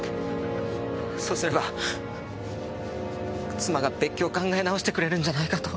そうすれば妻が別居を考え直してくれるんじゃないかと。